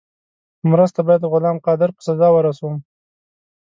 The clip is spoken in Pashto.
په مرسته باید غلام قادر په سزا ورسوم.